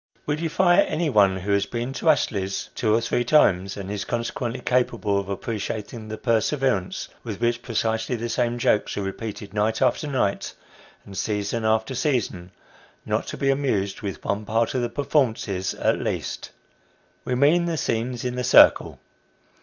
We defy anyone who has been to Astley's two or three times, and is consequently capable of appreciating the perseverance with which precisely the same jokes are repeated night after night, and season after season, not to be amused with one part of the performances at least we mean the scenes in the circle.